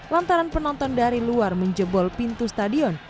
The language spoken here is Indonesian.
lantaran penonton dari luar menjebol pintu stadion